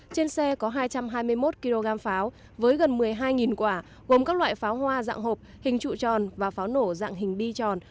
trên xe có hai trăm hai mươi một kg pháo với gần một mươi hai quả gồm các loại pháo hoa dạng hộp hình trụ tròn và pháo nổ dạng hình bi tròn